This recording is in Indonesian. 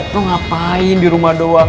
tuh ngapain di rumah doang